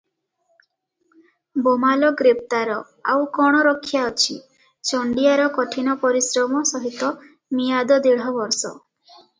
ବମାଲ ଗ୍ରେପ୍ତାର, ଆଉ କଣ ରକ୍ଷା ଅଛି, ଚଣ୍ଡିଆର କଠିନ ପରିଶ୍ରମ ସହିତ ମିଆଦ ଦେଢ଼ ବର୍ଷ ।